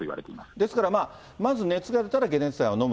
ですから、まず熱が出たら解熱剤をのむ。